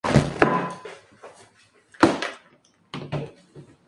Utilizó fotogramas y abstracciones, bajo la influencia de la nueva visión.